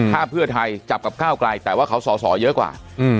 ถ้าเพื่อไทยจับกับก้าวไกลแต่ว่าเขาสอสอเยอะกว่า